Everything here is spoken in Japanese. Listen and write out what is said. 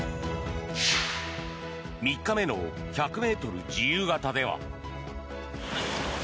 ３日目の１００ｍ自由形では。